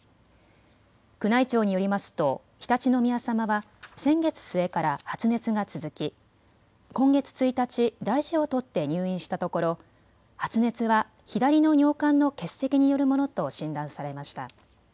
宮内庁によりますと常陸宮さまは先月末から発熱が続き今月１日、大事を取って入院したところ発熱は左の尿管の結石によるものと診断されました。